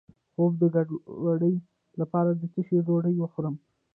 د خوب د ګډوډۍ لپاره د څه شي ډوډۍ وخورم؟